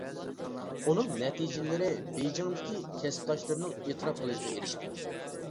ئۇنىڭ نەتىجىلىرى بېيجىڭدىكى كەسىپداشلىرىنىڭ ئېتىراپ قىلىشىغا ئېرىشتى.